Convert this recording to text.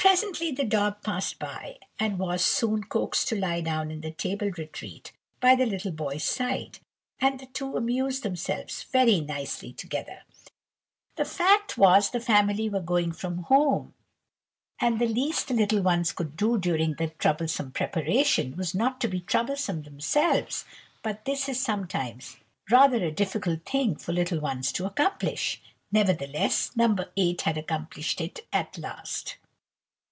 Presently the dog passed by, and was soon coaxed to lie down in the table retreat by the little boy's side, and the two amused themselves very nicely together. The fact was, the family were going from home, and the least the little ones could do during the troublesome preparation, was not to be troublesome themselves; but this is sometimes rather a difficult thing for little ones to accomplish. Nevertheless, No. 8 had accomplished it at last.